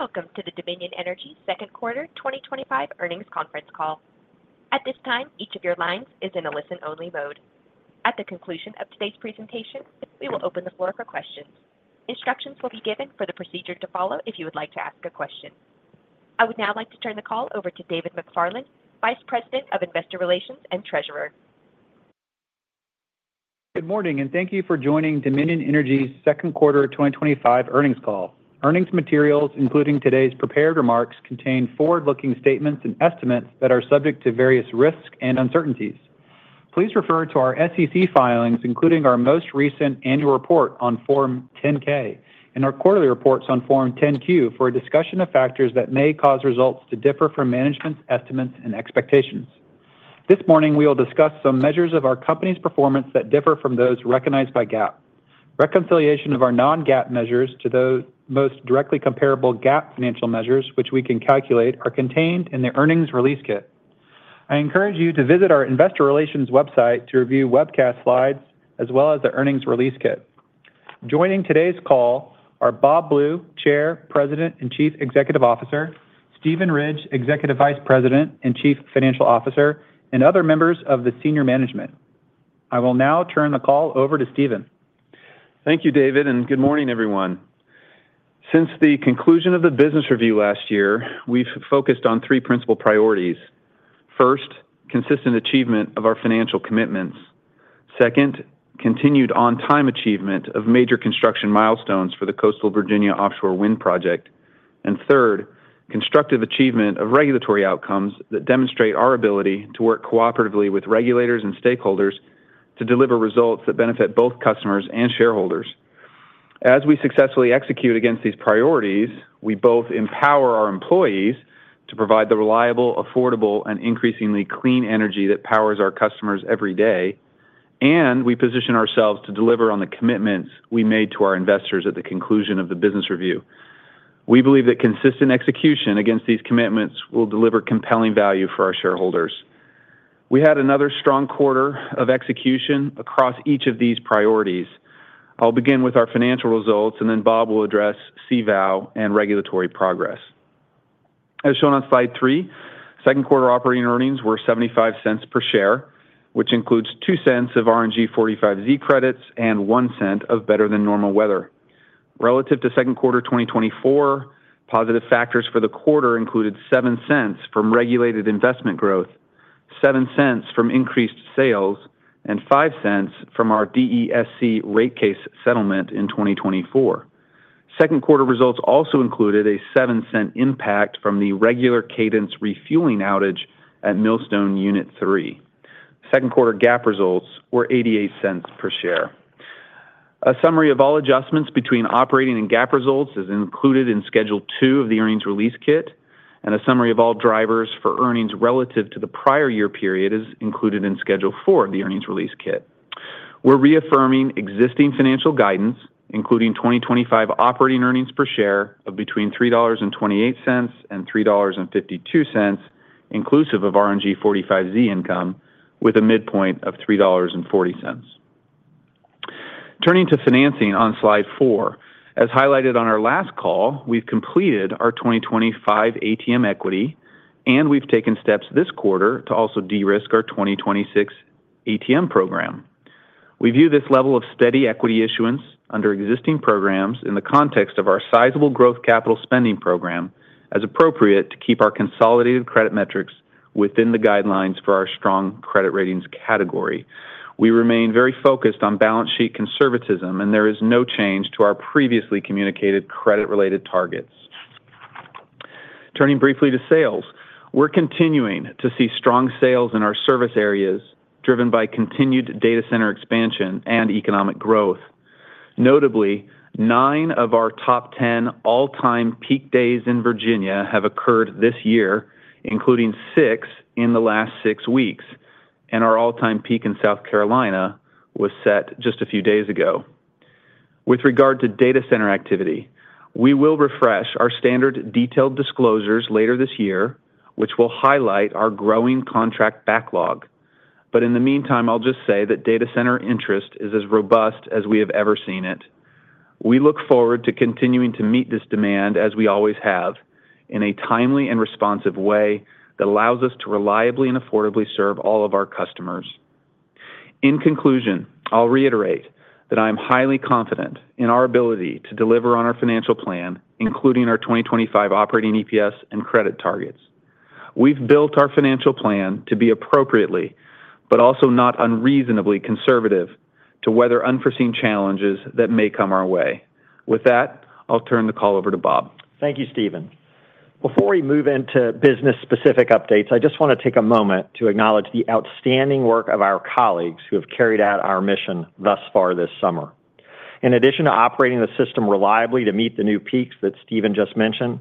Welcome to the Dominion Energy Second Quarter 2025 Earnings Conference Call. At this time, each of your lines is in a listen-only mode. At the conclusion of today's presentation, we will open the floor for questions. Instructions will be given for the procedure to follow. If you would like to ask a question, I would now like to turn the call over to David McFarland, Vice President of Investor Relations and Treasurer. Good morning and thank you for joining Dominion Energy's Second Quarter 2025 Earnings Call. Earnings materials, including today's prepared remarks, contain forward-looking statements and estimates that are subject to various risks and uncertainties. Please refer to our SEC filings, including our most recent annual report on Form 10-K and our quarterly reports on Form 10-Q, for a discussion of factors that may cause results to differ from management's estimates and expectations. This morning we will discuss some measures of our company's performance that differ from those recognized by GAAP. Reconciliation of our non-GAAP measures to the most directly comparable GAAP financial measures which we can calculate are contained in the Earnings Release Kit. I encourage you to visit our Investor Relations website to review webcast slides as well as the Earnings Release Kit. Joining today's call are Bob Blue, Chair, President and Chief Executive Officer, Steven Ridge, Executive Vice President and Chief Financial Officer, and other members of the senior management. I will now turn the call over to Steven. Thank you, David, and good morning, everyone. Since the conclusion of the business review last year, we've focused on three principal priorities. First, consistent achievement of our financial commitments. Second, continued on-time achievement of major construction milestones for the Coastal Virginia Offshore Wind project, and third, constructive achievement of regulatory outcomes that demonstrate our ability to work cooperatively with regulators and stakeholders to deliver results that benefit both customers and shareholders. As we successfully execute against these priorities, we both empower our employees to provide the reliable, affordable, and increasingly clean energy that powers our customers every day. We position ourselves to deliver on the commitments we made to our investors at the conclusion of the business review. We believe that consistent execution against these commitments will deliver compelling value for our shareholders. We had another strong quarter of execution across each of these priorities. I'll begin with our financial results, and then Bob will address CVOW and regulatory progress. As shown on slide three, second quarter operating earnings were $0.75 per share, which includes $0.02 of RNG 45Z credits and $0.01 of better than normal weather. Relative to second quarter 2024, four positive factors for the quarter included $0.07 from regulated investment growth, $0.07 from increased sales, and $0.05 from our DESC rate case settlement in 2024. Second quarter results also included a $0.07 impact from the regular cadence refueling outage at Millstone Unit 3. Second quarter GAAP results were $0.88 per share. A summary of all adjustments between operating and GAAP results is included in schedule two of the Earnings Release Kit, and a summary of all drivers for earnings relative to the prior year period is included in schedule four of the Earnings Release Kit. We're reaffirming existing financial guidance, including 2025 operating earnings per share of between $3.28 and $3.52 inclusive of RNG 45Z income, with a midpoint of $3.40. Turning to financing on slide four, as highlighted on our last call, we've completed our 2025 ATM equity, and we've taken steps this quarter to also de-risk our 2026 ATM program. We view this level of steady equity issuance under existing programs in the context of our sizable growth capital spending program as appropriate to keep our consolidated credit metrics within the guidelines for our strong credit ratings category. We remain very focused on balance sheet conservatism, and there is no change to our previously communicated credit related targets. Turning briefly to sales, we're continuing to see strong sales in our service areas driven by continued data center expansion and economic growth. Notably, nine of our top 10 all-time peak days in Virginia have occurred this year, including six in the last six weeks, and our all-time peak in South Carolina was set just a few days ago. With regard to data center activity, we will refresh our standard detailed disclosures later this year, which will highlight our growing contract backlog, but in the meantime, I'll just say that data center interest is as robust as we have ever seen it. We look forward to continuing to meet this demand, as we always have, in a timely and responsive way that allows us to reliably and affordably serve all of our customers. In conclusion, I'll reiterate that I am highly confident in our ability to deliver on our financial plan, including our 2025 operating EPS and credit targets. We've built our financial plan to be appropriately but also not unreasonably conservative to weather unforeseen challenges that may come our way. With that, I'll turn the call over to Bob. Thank you, Steven. Before we move into business specific updates, I just want to take a moment to acknowledge the outstanding work of our colleagues who have carried out our mission thus far this summer. In addition to operating the system reliably to meet the new peaks that Steven just mentioned,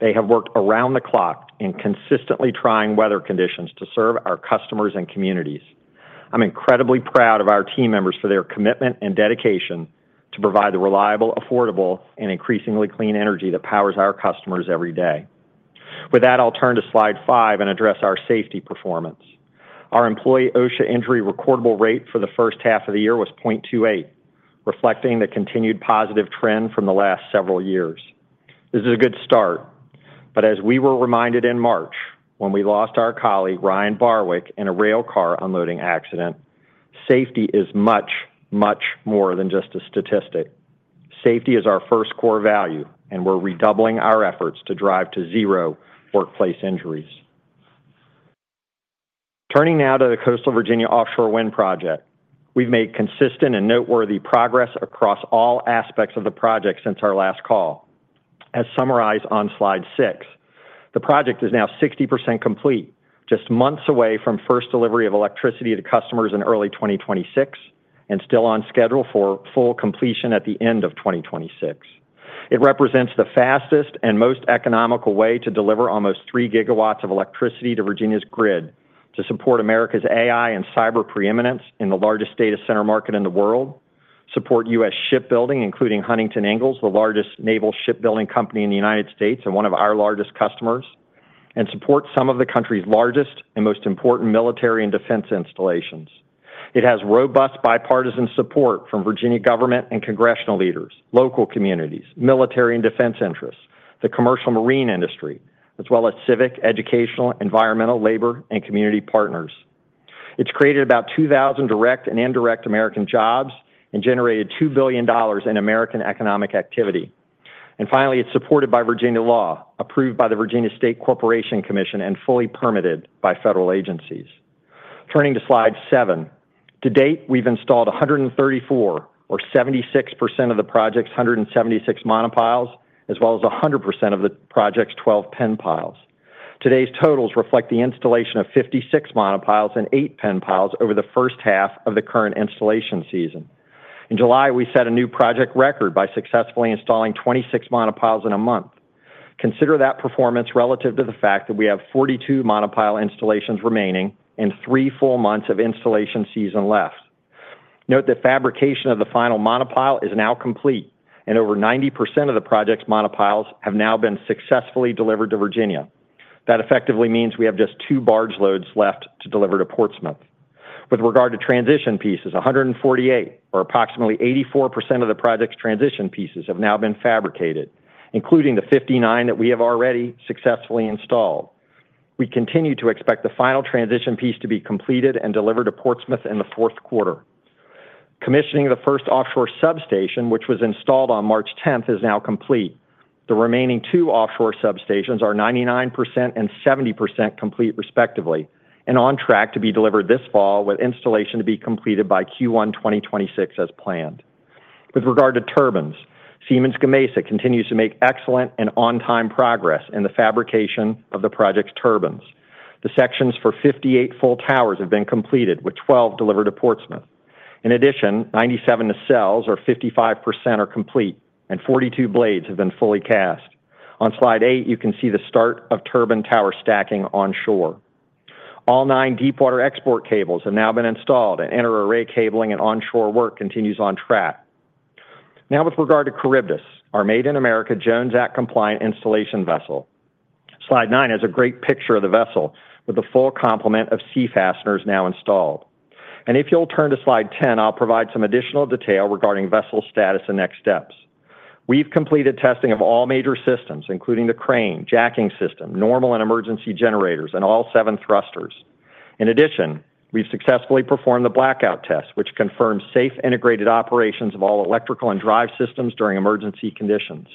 they have worked around the clock in consistently trying weather conditions to serve our customers and communities. I'm incredibly proud of our team members for their commitment and dedication to provide the reliable, affordable, and increasingly clean energy that powers our customers every day. With that, I'll turn to slide 5 and address our safety performance. Our employee OSHA injury recordable rate for the first half of the year was 0.28, reflecting the continued positive trend from the last several years. This is a good start, but as we were reminded in March when we lost our colleague Ryan Barwick in a rail car unloading accident, safety is much, much more than just a statistic. Safety is our first core value and we're redoubling our efforts to drive to zero workplace injuries. Turning now to the Coastal Virginia Offshore Wind project, we've made consistent and noteworthy progress across all aspects of the project since our last call. As summarized on slide six, the project is now 60% complete, just months away from first delivery of electricity to customers in early 2026 and still on schedule for full completion at the end of 2026. It represents the fastest and most economical way to deliver almost 3 GW of electricity to Virginia's grid to support America's AI and cyber preeminence in the largest data center market in the world, support U.S. shipbuilding, including Huntington Ingalls, the largest naval shipbuilding company in the United States and one of our largest customers, and support some of the country's largest and most important military and defense installations. It has robust bipartisan support from Virginia government and congressional leaders, local communities, military and defense interests, the commercial marine industry, as well as civic, educational, environmental, labor, and community partners. It's created about 2,000 direct and indirect American jobs and generated $2 billion in American economic activity. Finally, it's supported by Virginia law, approved by the Virginia State Corporation Commission, and fully permitted by federal agencies. Turning to slide seven, to date we've installed 134, or 76%, of the project's 176 monopiles, as well as 100% of the project's 12 pen piles. Today's totals reflect the installation of 56 monopiles and 8 pen piles over the first half of the current installation season. In July, we set a new project record by successfully installing 26 monopiles in a month. Consider that performance relative to the fact that we have 42 monopile installations remaining and three full months of installation season left. Note that fabrication of the final monopile is now complete, and over 90% of the project's monopiles have now been successfully delivered to Virginia. That effectively means we have just two barge loads left to deliver to Portsmouth. With regard to transition pieces, 148, or approximately 84%, of the project's transition pieces have now been fabricated, including the 59 that we have already successfully installed. We continue to expect the final transition piece to be completed and delivered to Portsmouth in the fourth quarter. Commissioning the first offshore substation, which was installed on March 10th, is now complete. The remaining two offshore substations are 99% and 70% complete respectively, and on track to be delivered this fall with installation to be completed by Q1 2026 as planned. With regard to turbines, Siemens Gamesa continues to make excellent and on time progress in the fabrication of the project's turbines. The sections for 58 full towers have been completed with 12 delivered to Portsmouth. In addition, 97 nacelles, or 55%, are complete and 42 blades have been fully cast. On slide eight you can see the start of turbine tower stacking onshore. All nine deepwater export cables have now been installed and interarray cabling and onshore work continues on track. Now with regard to Charybdis, our Made in America Jones Act compliant installation vessel, slide nine has a great picture of the vessel with the full complement of sea fasteners now installed and if you'll turn to slide 10, I'll provide some additional detail regarding vessel status and next steps. We've completed testing of all major systems, including the crane jacking system, normal and emergency generators, and all seven thrusters. In addition, we've successfully performed the blackout test, which confirms safe integrated operations of all electrical and drive systems during emergency conditions.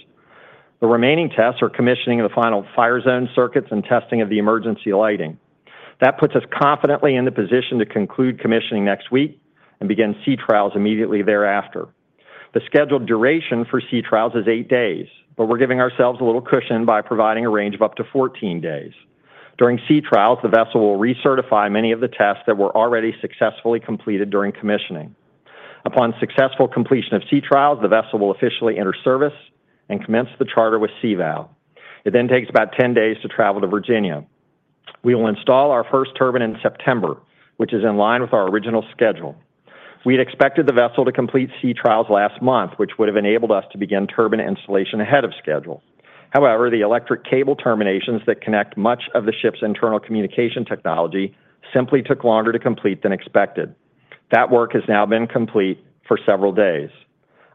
The remaining tests are commissioning the final fire zone circuits and testing of the emergency lighting. That puts us confidently in the position to conclude commissioning next week and begin sea trials immediately thereafter. The scheduled duration for sea trials is eight days, but we're giving ourselves a little cushion by providing a range of up to 14 days. During sea trials, the vessel will recertify many of the tests that were already successfully completed during commissioning. Upon successful completion of sea trials, the vessel will officially enter service and commence the charter with CVOW. It then takes about 10 days to travel to Virginia. We will install our first turbine in September, which is in line with our original schedule. We had expected the vessel to complete sea trials last month, which would have enabled us to begin turbine installation ahead of schedule. However, the electric cable terminations that connect much of the ship's internal communication technology simply took longer to complete than expected. That work has now been complete for several days.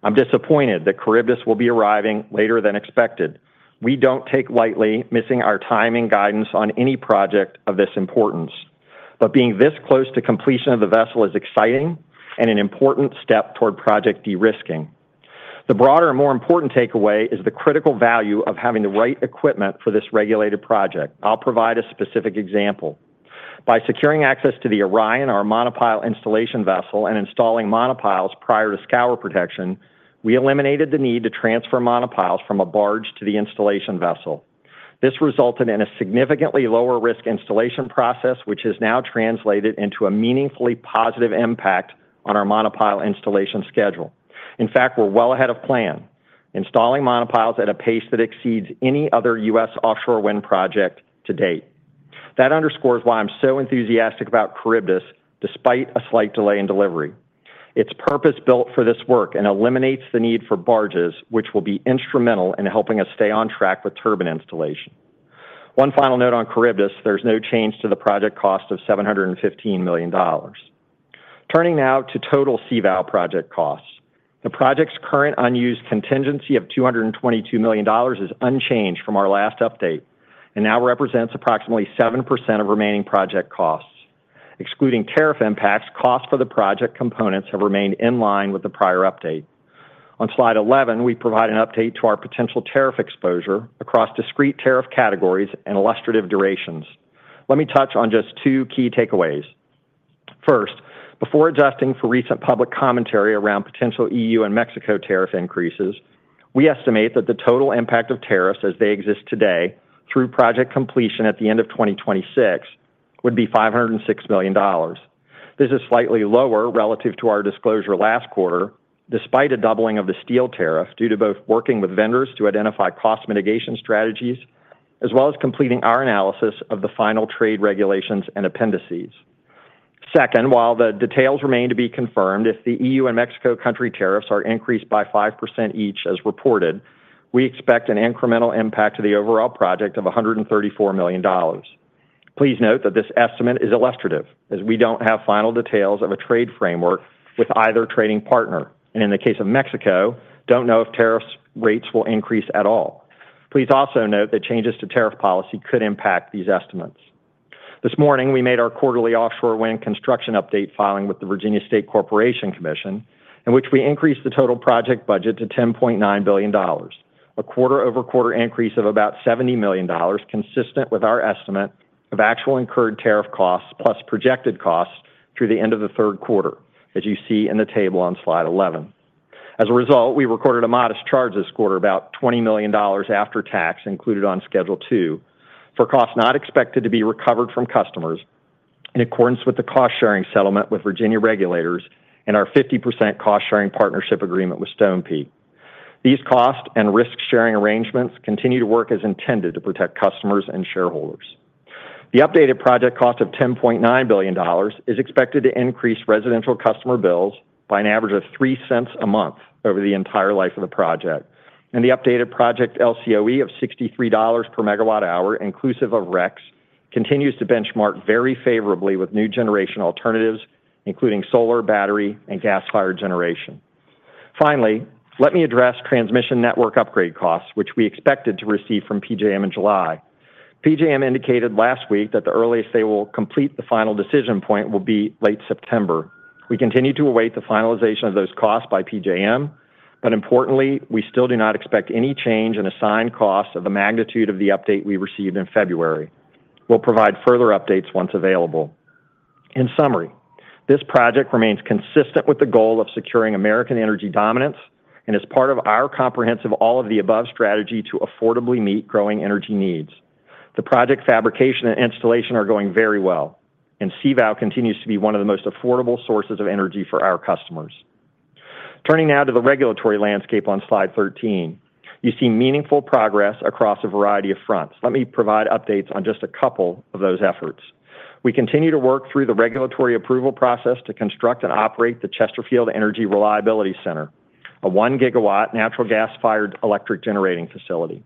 I'm disappointed that Charybdis will be arriving later than expected. We don't take lightly missing our time and guidance on any project of this importance, but being this close to completion of the vessel is exciting and an important step toward project de-risking. The broader and more important takeaway is the critical value of having the right equipment for this regulated project. I'll provide a specific example. By securing access to the Orion, our monopile installation vessel, and installing monopiles prior to scour protection, we eliminated the need to transfer monopiles from a barge to the installation vessel. This resulted in a significantly lower risk installation process, which has now translated into a meaningfully positive impact on our monopile installation schedule. In fact, we're well ahead of plan installing monopiles at a pace that exceeds any other U.S. offshore wind project to date. That underscores why I'm so enthusiastic about Charybdis. Despite a slight delay in delivery, it's purpose built for this work and eliminates the need for barges which will be instrumental in helping us stay on track with turbine installation. One final note on there's no change to the project cost of $715 million. Turning now to total CVOW project costs, the project's current unused contingency of $222 million is unchanged from our last update and now represents approximately 7% of remaining project costs, excluding tariff impacts. Costs for the project components have remained in line with the prior update. On slide 11, we provide an update to our potential tariff exposure across discrete tariff categories and illustrative durations. Let me touch on just two key takeaways. First, before adjusting for recent public commentary around potential EU and Mexico tariff increases, we estimate that the total impact of tariffs as they exist today through project completion at the end of 2026 would be $506 million. This is slightly lower relative to our disclosure last quarter despite a doubling of the steel tariff due to both working with vendors to identify cost mitigation strategies as well as completing our analysis of the final trade regulations and appendices. Second, while the details remain to be confirmed, if the EU and Mexico country tariffs are increased by 5% each as reported, we expect an incremental impact to the overall project of $134 million. Please note that this estimate is illustrative as we don't have final details of a trade framework with either trading partner and in the case of Mexico, don't know if tariff rates will increase at all. Please also note that changes to tariff policy could impact these estimates. This morning we made our quarterly offshore wind construction update filing with the Virginia State Corporation Commission in which we increased the total project budget to $10.9 billion, a quarter over quarter increase of about $70 million, consistent with our estimate of actual incurred tariff costs plus projected costs through the end of the third quarter, as you see in the table on slide 11. As a result, we recorded a modest charge this quarter, about $20 million after tax included on schedule two for costs not expected to be recovered from customers in accordance with the cost sharing settlement with Virginia regulators and our 50% cost sharing partnership agreement with Stonepeak. These cost and risk sharing arrangements continue to work as intended to protect customers and shareholders. The updated project cost of $10.9 billion is expected to increase residential customer bills by an average of $0.03 a month over the entire life of the project, and the updated project LCOE of $63 per megawatt-hour inclusive of Rex continues to benchmark very favorably with new generation alternatives including solar, battery and gas fired generation. Finally, let me address transmission network upgrade costs which we expected to receive from PJM in July. PJM indicated last week that the earliest they will complete the final decision point will be late September. We continue to await the finalization of those costs by PJM, but importantly we still do not expect any change in assigned costs of the magnitude of the update we received in February. We will provide further updates once available. In summary, this project remains consistent with the goal of securing American energy dominance and as part of our comprehensive all-of-the-above strategy to affordably meet growing energy needs. The project fabrication and installation are going very well, and CVOW continues to be one of the most affordable sources of energy for our customers. Turning now to the regulatory landscape on slide 13, you see meaningful progress across a variety of fronts. Let me provide updates on just a couple of those efforts. We continue to work through the regulatory approval process to construct and operate the Chesterfield Energy Reliability Center, a 1 GW natural gas-fired electric generating facility.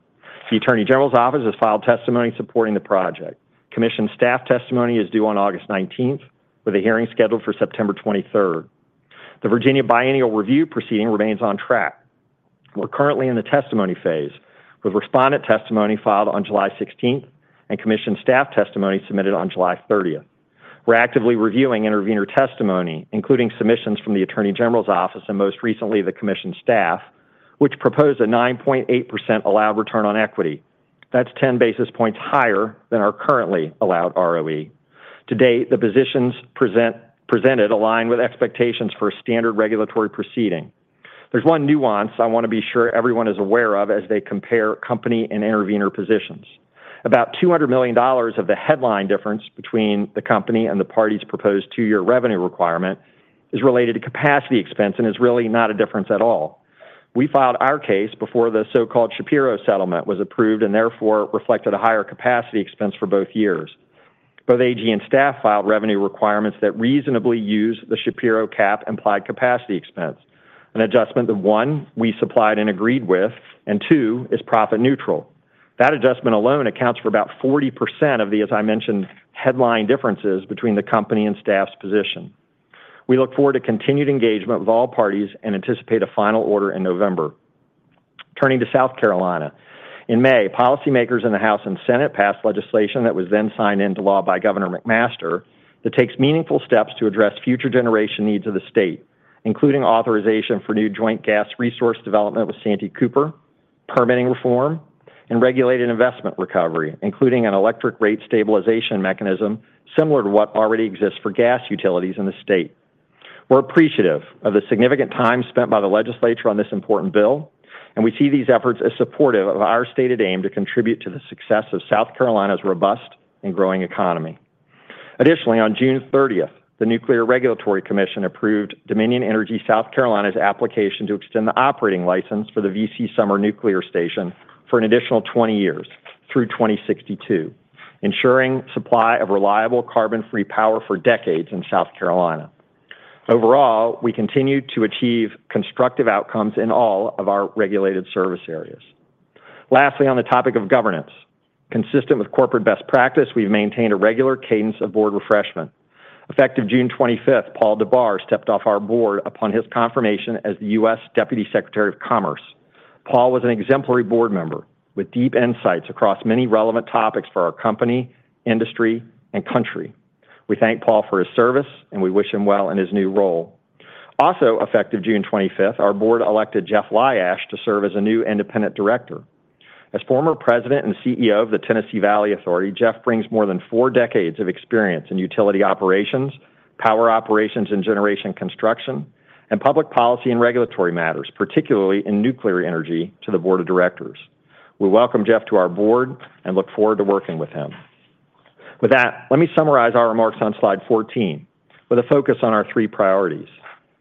The Attorney General's Office has filed testimony supporting the project. Commission staff testimony is due on August 19th, with a hearing scheduled for September 23rd. The Virginia Biennial Review proceeding remains on track. We're currently in the testimony phase, with respondent testimony filed on July 16th and commission staff testimony submitted on July 30th. We're actively reviewing intervener testimony, including submissions from the Attorney General's Office and most recently the commission staff, which propose a 9.8% allowed return on equity. That's 10 basis points higher than our currently allowed ROE. To date, the positions presented align with expectations for a standard regulatory proceeding. There's one nuance I want to be sure everyone is aware of as they compare company and intervener positions. About $200 million of the headline difference between the company and the parties' proposed two-year revenue requirement is related to capacity expense and is really not a difference at all. We filed our case before the so-called Shapiro settlement was approved and therefore reflected a higher capacity expense for both years. Both the AG and staff filed revenue requirements that reasonably use the Shapiro cap-implied capacity expense, an adjustment that one, we supplied and agreed with and two, is profit neutral. That adjustment alone accounts for about 40% of the, as I mentioned, headline differences between the company and staff's position. We look forward to continued engagement with all parties and anticipate a final order in November. Turning to South Carolina, in May, policymakers in the House and Senate passed legislation that was then signed into law by Governor McMaster that takes meaningful steps to address future generation needs of the state, including authorization for new joint gas resource development with Santee Cooper, permitting reform, and regulated investment recovery, including an electric rate stabilization mechanism similar to what already exists for gas utilities in the state. We're appreciative of the significant time spent by the Legislature on this important bill, and we see these efforts as supportive of our stated aim to contribute to the success of South Carolina's robust and growing economy. Additionally, on June 30, the Nuclear Regulatory Commission approved Dominion Energy South Carolina's application to extend the operating license for the VC Summer Nuclear Station for an additional 20 years through 2062, ensuring supply of reliable carbon free power for decades in South Carolina. Overall, we continue to achieve constructive outcomes in all of our regulated service areas. Lastly, on the topic of governance, consistent with corporate best practice, we've maintained a regular cadence of board refreshment. Effective June 25, Paul Dabbar stepped off our board upon his confirmation as the U.S. Deputy Secretary of Commerce. Paul was an exemplary board member with deep insights across many relevant topics for our company, industry, and country. We thank Paul for his service and we wish him well in his new role. Also, effective June 25, our board elected Jeff Lyash to serve as a new Independent Director. As former President and CEO of the Tennessee Valley Authority, Jeff brings more than four decades of experience in utility operations, power operations and generation, construction, and public policy and regulatory matters, particularly in nuclear energy, to the Board of Directors. We welcome Jeff to our Board and look forward to working with him. With that, let me summarize our remarks on slide 14 with a focus on our three priorities: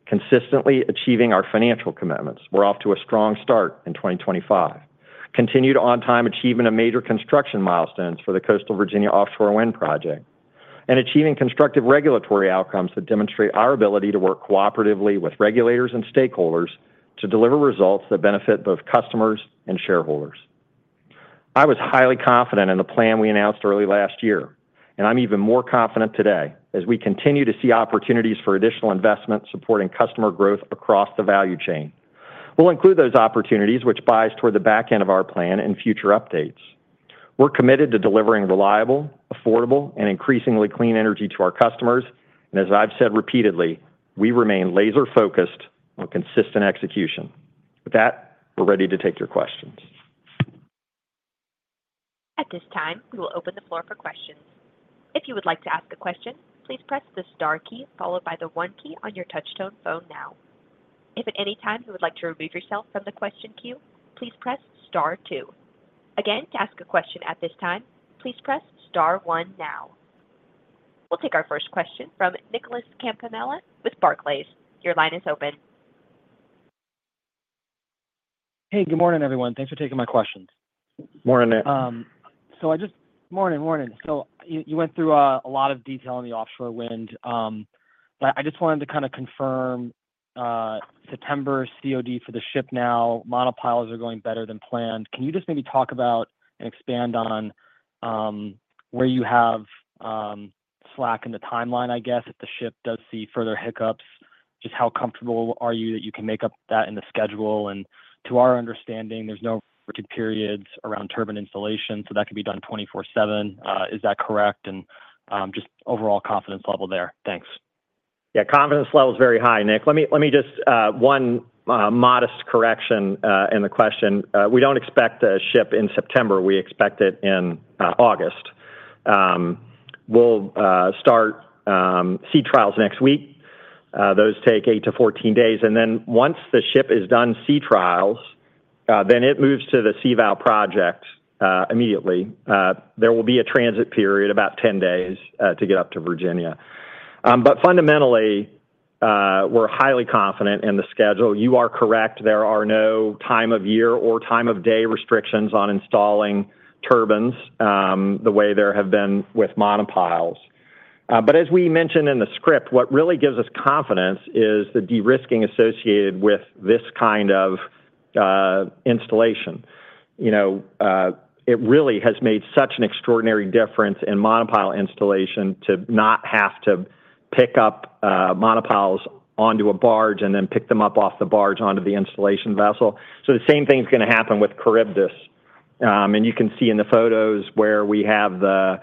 consistently achieving our financial commitments. We're off to a strong start in 2025. Continued on-time achievement of major construction milestones for the Coastal Virginia Offshore Wind project and achieving constructive regulatory outcomes that demonstrate our ability to work cooperatively with regulators and stakeholders to deliver results that benefit both customers and shareholders. I was highly confident in the plan we announced early last year, and I'm even more confident today as we continue to see opportunities for additional investment supporting customer growth across the value chain. We'll include those opportunities, which bias toward the back end of our plan, in future updates. We're committed to delivering reliable, affordable, and increasingly clean energy to our customers. As I've said repeatedly, we remain laser-focused on consistent execution. With that, we're ready to take your questions. At this time, we will open the floor for questions. If you would like to ask a question, please press the star key followed by the one key on your touchtone phone. If at any time you would like to remove yourself from the question queue, please press star two again. To ask a question at this time, please press star one. We'll take our first question from Nicholas Campanella with Barclays. Your line is open. Hey, good morning everyone. Thanks for taking my questions. Morning, Nick. Morning. You went through a lot of detail on the offshore wind, but I just wanted to kind of confirm September COD for the ship. Now monopiles are going better than planned. Can you just maybe talk about and expand on where you have slack in the timeline? I guess if the ship does see further hiccups, just how comfortable are you that you can make up that in the schedule? To our understanding, there's no rigid periods around turbine installation, so that can be done 24/7. Is that correct? Just overall confidence level there. Thanks. Yeah, confidence level is very high. Nick, let me just make one modest correction in the question. We don't expect a ship in September, we expect it in August. We'll start sea trials next week. Those take eight to 14 days. Once the ship is done sea trials, it moves to the CVOW project immediately. There will be a transit period, about 10 days to get up to Virginia. Fundamentally, we're highly confident in the schedule. You are correct. There are no time of year or time of day restrictions on installing turbines the way there have been with monopiles. As we mentioned in the script, what really gives us confidence is the de-risking associated with this kind of installation. It really has made such an extraordinary difference in monopile installation to not have to pick up monopiles onto a barge and then pick them up off the barge onto the installation vessel. The same thing is going to happen with Charybdis. You can see in the photos where we have the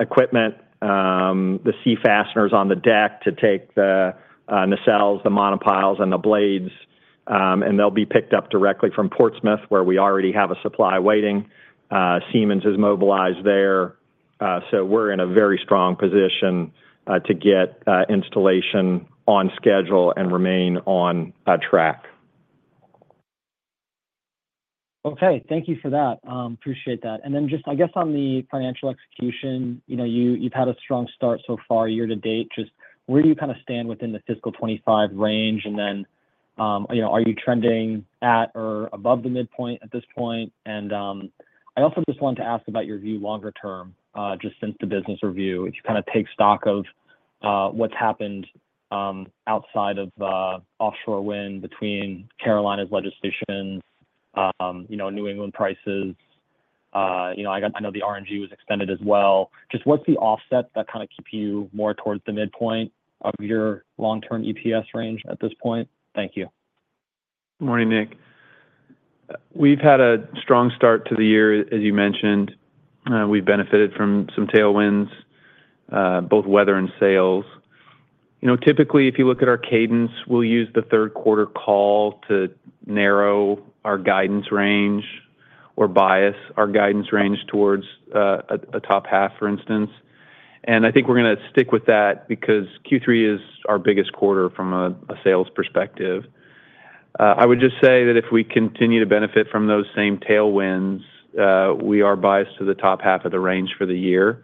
equipment, the sea fasteners on the deck to take the nacelles, the monopiles, and the blades, and they'll be picked up directly from Portsmouth where we already have a supply waiting. Siemens has mobilized there. We're in a very strong position to get installation on schedule and remain on track. Okay, thank you for that. Appreciate that. Just on the financial execution, you know, you've had a strong start so far year-to-date, just where you kind of stand within the fiscal 2025 range and then you know, are you trending at or above the midpoint at this point? I also just wanted to ask about your view longer term. Just since the business review, if you kind of take stock of what's happened outside of offshore wind between Carolina's legislation, New England prices, I know the RNG was extended as well. What's the offset that keeps you more towards the midpoint of your long term EPS range at this point? Thank you. Morning, Nick. We've had a strong start to the year. As you mentioned, we've benefited from some tailwinds, both weather and sales. Typically, if you look at our cadence, we'll use the third quarter call to narrow our guidance range or bias our guidance range towards a top half, for instance. I think we're going to stick with that because Q3 is our biggest quarter from a sales perspective. I would just say that if we continue to benefit from those same tailwinds, we are biased to the top half of the range for the year.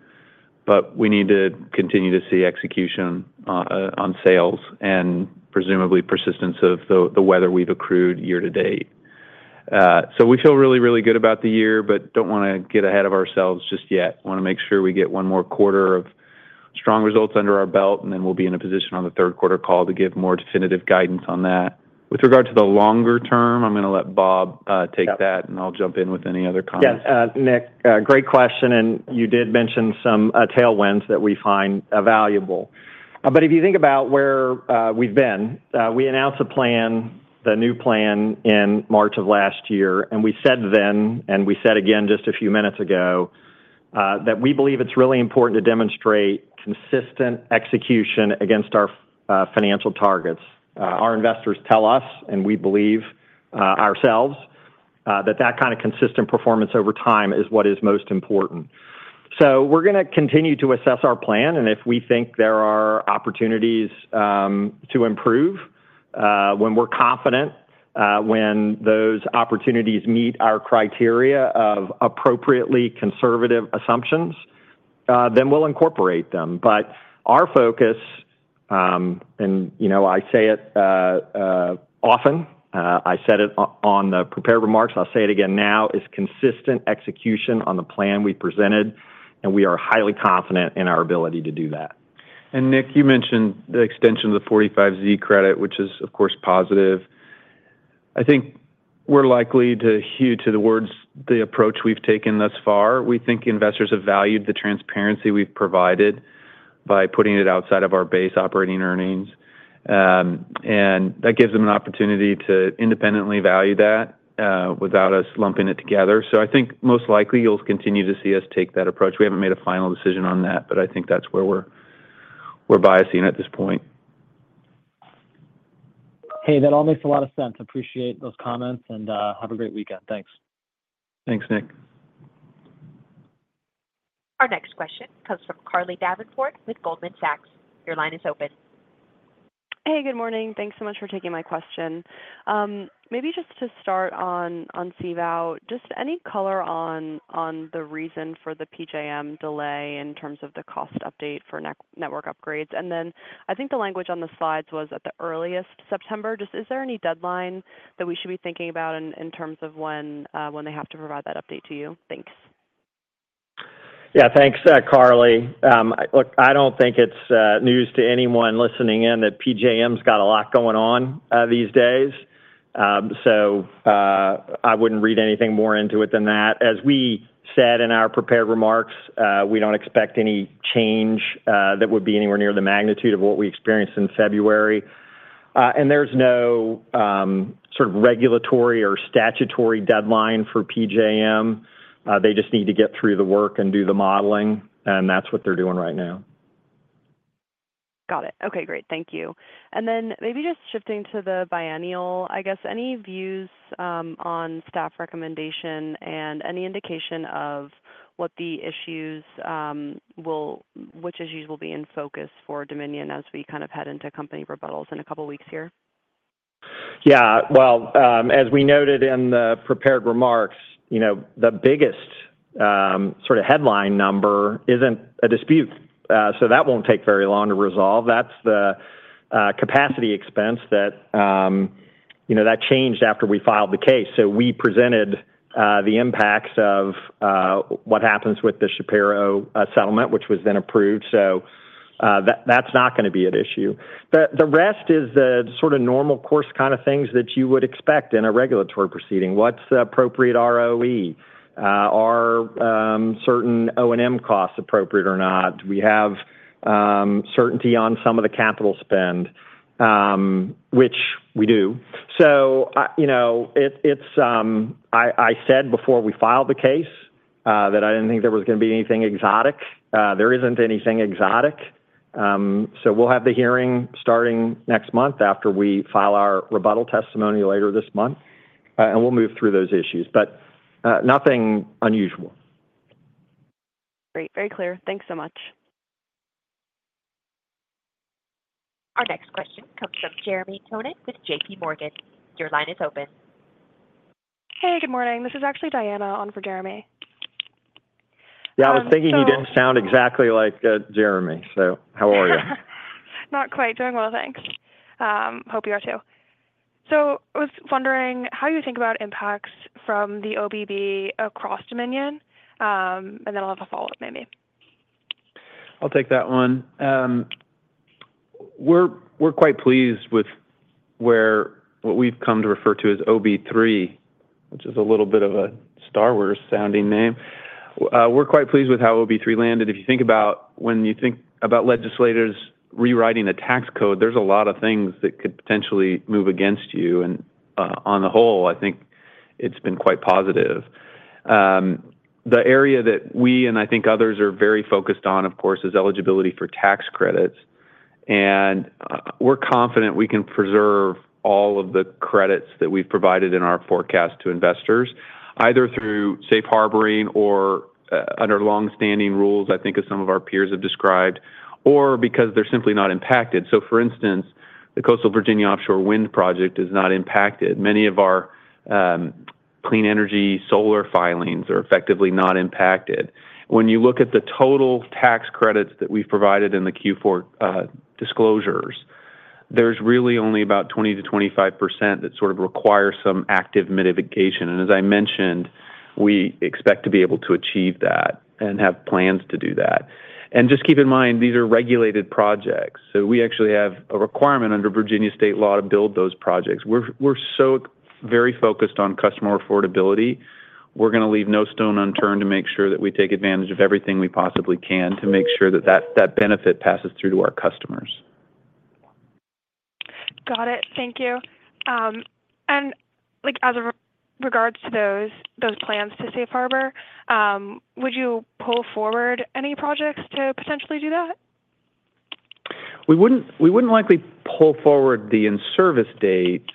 We need to continue to see execution on sales and presumably persistence of the weather we've accrued year-to-date. We feel really, really good about the year, but don't want to get ahead of ourselves just yet. Want to make sure we get one more quarter of strong results under our belt and then we'll be in a position on the third quarter call to give more definitive guidance on that with regard to the longer term. I'm going to let Bob take that and I'll jump in with any other comments. Yes, Nick, great question. You did mention some tailwinds that we find valuable. If you think about where we've been, we announced a plan, the new plan, in March of last year and we said then, and we said again just a few minutes ago, that we believe it's really important to demonstrate consistent execution against our financial targets. Our investors tell us, and we believe ourselves, that that kind of consistent performance over time is what is most important. We are going to continue to assess our plan. If we think there are opportunities to improve, when we're confident, when those opportunities meet our criteria of appropriately conservative assumptions, then we'll incorporate them. Our focus, and you know, I say it often, I said it on the prepared remarks, I'll say it again now, is consistent execution on the plan we presented, and we are highly confident in our ability to do that. Nick, you mentioned the extension of the 45Z credit, which is, of course, positive. I think we're likely to hew to the words, the approach we've taken thus far. We think investors have valued the transparency we've provided by putting it outside of our base operating earnings, and that gives them an opportunity to independently value that without us lumping it together. I think most likely you'll continue to see us take that approach. We haven't made a final decision on that, but I think that's where we're biasing at this point. Hey, that all makes a lot of sense. Appreciate those comments, and have a great weekend. Thanks. Thanks, Nick. Our next question comes from Carly Davenport with Goldman Sachs. Your line is open. Hey, good morning. Thanks so much for taking my question. Maybe just to start on CVOW, just any color on the reason for the PJM delay in terms of the cost update for network upgrades, and then I think the language on the slides was at the earliest September. Is there any deadline that we should be thinking about in terms of when they have to provide that update to you? Thanks. Yeah, thanks, Carly. Look, I don't think it's news to anyone listening in that PJM's got a lot going on these days, so I wouldn't read anything more into it than that. As we said in our prepared remarks, we don't expect any change that would be anywhere near the magnitude of what we experienced in February. There's no sort of regulatory or statutory deadline for PJM. They just need to get through the work and do the modeling, and that's what they're doing right now. Got it. Okay, great. Thank you. Maybe just shifting to the biennial, I guess, any views on staff recommendation and any indication of what the issues will be. Which issues will be in focus for Dominion as we kind of head into company rebuttals in a couple weeks here? As we noted in the prepared remarks, the biggest sort of headline number isn't in dispute, so that won't take very long to resolve. That's the capacity expense that changed after we filed the case. We presented the impacts of what happens with the Shapiro settlement, which was then approved. That's not going to be an issue. The rest is the sort of normal course kind of things that you would expect in a regulatory proceeding. What's the appropriate ROE? Are certain O&M costs appropriate or not? We have certainty on some of the capital spend, which we do. I said before we filed the case that I didn't think there was going to be anything exotic. There isn't anything exotic. We'll have the hearing starting next month after we file our rebuttal testimony later this month and we'll move through those issues, but nothing unusual. Great, very clear. Thanks so much. Our next question comes from Jeremy Tonet with J.P. Morgan. Your line is open. Hey, good morning. This is actually Diana on for Jeremy. Yeah, I was thinking you didn't sound exactly like Jeremy. How are you? Not quite doing well, thanks. Hope you are too. I was wondering how you think about impacts from the OBB across Dominion, and then I'll have a follow up, maybe. I'll take that one. We're quite pleased with where what we've come to refer to as OB3, which is a little bit of a Star Wars sounding name. We're quite pleased with how OB3 landed. If you think about, when you think about legislators rewriting the tax code, there's a lot of things that could potentially move against you. On the whole, I think it's been quite positive. The area that we and I think others are very focused on, of course, is eligibility for tax credits. We're confident we can preserve all of the credits that we've provided in our forecast to investors, either through safe harboring or under long-standing rules, I think as some of our peers have described, or because they're simply not impacted. For instance, the Coastal Virginia Offshore Wind Project is not impacted. Many of our Clean Energy solar filings are effectively not impacted. When you look at the total tax credits that we've provided in the Q4 disclosures, there's really only about 20% to 25% that sort of require some active mitigation. As I mentioned, we expect to be able to achieve that and have plans to do that. Just keep in mind these are regulated projects. We actually have a requirement under Virginia state law to build those projects. We're very focused on customer affordability. We're going to leave no stone unturned to make sure that we take advantage of everything we possibly can to make sure that that benefit passes through to our customers. Got it. Thank you. As regards to those plans to safe harbor, would you pull forward any projects to potentially do that? We wouldn't likely pull forward the in service dates,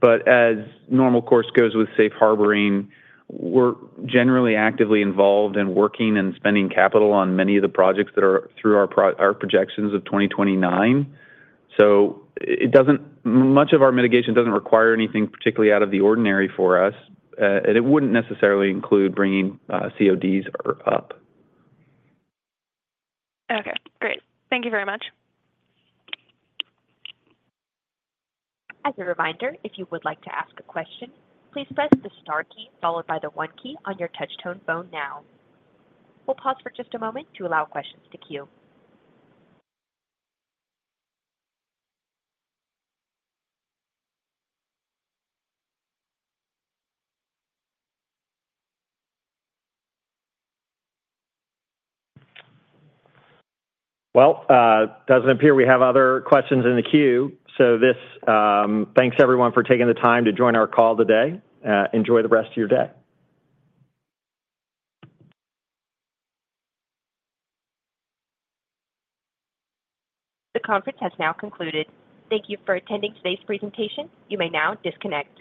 but as normal course goes with Safe Harboring, we're generally actively involved in working and spending capital on many of the projects that are through our projections of 2029. It doesn't, much of our mitigation doesn't require anything particularly out of the ordinary for us, and it wouldn't necessarily include bringing CODs up. Okay, great. Thank you very much. As a reminder, if you would like to ask a question, please press the star key followed by the one key on your touchtone phone. Now we'll pause for just a moment to allow questions to queue. It doesn't appear we have other questions in the queue. Thanks everyone for taking the time to join our call today. Enjoy the rest of your day. The conference has now concluded. Thank you for attending today's presentation. You may now disconnect.